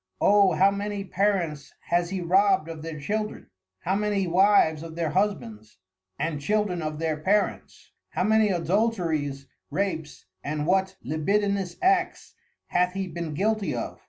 O how many Parents has he robb'd of their Children, how many Wives of their Husbands, and Children of their Parents? How many Adulteries, Rapes, and what Libidinous Acts hath he been guilty of?